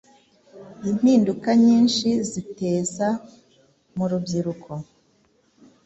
impinduka nyinshi ziteza mu rubyiruko.